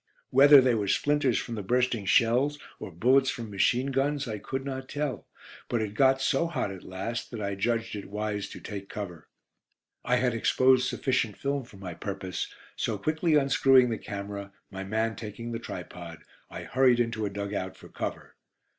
Whether they were splinters from the bursting shells or bullets from machine guns I could not tell, but it got so hot at last that I judged it wise to take cover. I had exposed sufficient film for my purpose, so quickly unscrewing the camera, my man taking the tripod, I hurried into a dug out for cover.